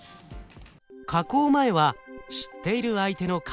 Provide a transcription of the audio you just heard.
加工前は知っている相手の顔。